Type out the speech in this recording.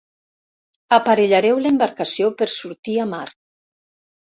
Aparellareu l'embarcació per sortir a mar.